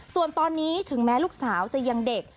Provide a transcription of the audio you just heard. ส่วนตอนนี้ถึงแม้ลูกสาวจะยังเด็ก